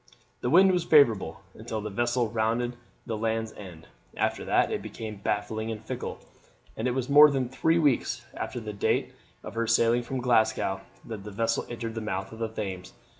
The wind was favourable until the vessel rounded the Land's End. After that it became baffling and fickle, and it was more than three weeks after the date of her sailing from Glasgow that the vessel entered the mouth of the Thames.